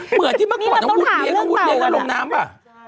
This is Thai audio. เหมือนที่เมื่อก่อนต้องหุดเบี้ยงต้องหุดเบี้ยงต้องหาเรื่องเต่าลงน้ำป่ะ